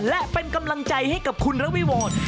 และเป็นกำลังใจให้กับคุณระวิวร